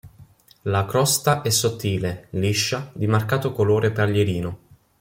La crosta è sottile, liscia, di marcato colore paglierino.